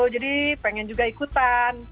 jadi pengen juga ikutan